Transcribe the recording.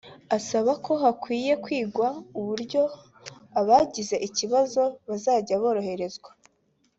asaba ko hakwiye kwigwa uburyo abagize ikibazo bazajya boroherezwa